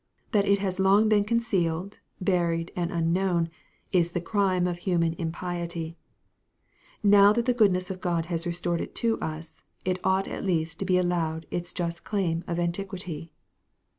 That it has long been concealed, buried, and unknown, is the crime of human impiety. Now that the goodness of God has restored it to us, it ought at least to be allowed its just claim of antiquity.